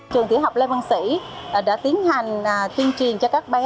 trường tiểu học lê văn sĩ đã tiến hành tuyên truyền cho các bé